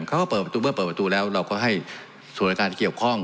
เขาก็เปิดประตูเมื่อเปิดประตูแล้วเราก็ให้ส่วนรายการที่เกี่ยวข้อง